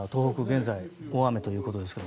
現在、大雨ということですが。